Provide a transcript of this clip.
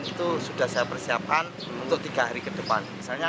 itu sudah saya persiapkan untuk tiga hari ke depan